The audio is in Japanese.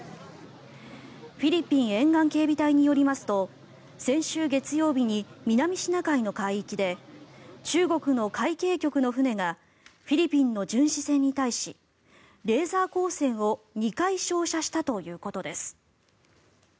フィリピン沿岸警備隊によりますと先週月曜日に南シナ海の海域で中国の海警局の船がフィリピンの巡視船に対しレーザー光線を２回照射したということです。